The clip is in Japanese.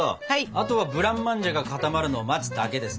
あとはブランマンジェが固まるのを待つだけですね。